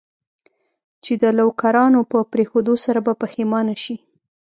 چې د لوکارنو په پرېښودو سره به پښېمانه شې.